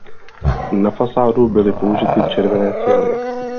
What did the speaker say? Na fasádu byly použity červené cihly.